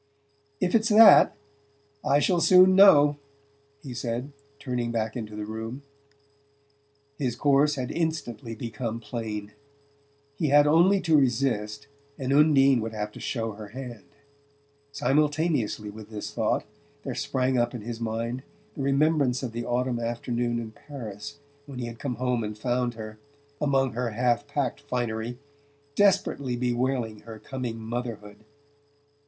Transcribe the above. "If it's that, I shall soon know," he said, turning back into the room. His course had instantly become plain. He had only to resist and Undine would have to show her hand. Simultaneously with this thought there sprang up in his mind the remembrance of the autumn afternoon in Paris when he had come home and found her, among her half packed finery, desperately bewailing her coming motherhood.